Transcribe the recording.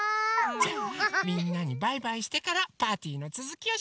じゃあみんなにバイバイしてからパーティーのつづきをしましょ。